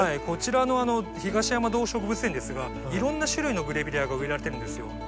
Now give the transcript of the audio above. こちらの東山動植物園ですがいろんな種類のグレビレアが植えられてるんですよ。